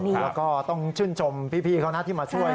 แล้วก็ต้องชื่นชมพี่เขานะที่มาช่วย